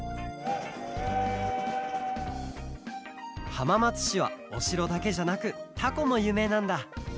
はままつしはおしろだけじゃなくたこもゆうめいなんだ。